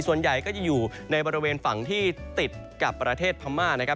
ก็จะอยู่ในบริเวณฝั่งที่ติดกับประเทศพม่า